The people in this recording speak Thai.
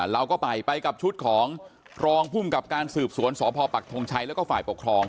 เราก็ไปไปกับชุดของรองภูมิกับการสืบสวนสพปักทงชัยแล้วก็ฝ่ายปกครอง